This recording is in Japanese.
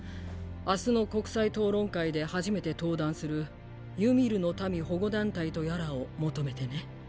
明日の国際討論会で初めて登壇する「ユミルの民保護団体」とやらを求めてね。